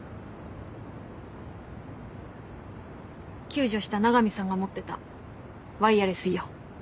救助した永見さんが持ってたワイヤレスイヤホン。